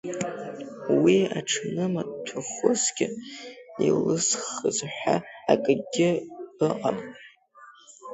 Уи аҽны маҭәахәысгьы илысхыз ҳәа акагьы ыҟам.